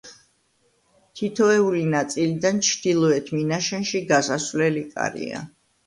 თითოეული ნაწილიდან ჩრდილოეთ მინაშენში გასასვლელი კარია.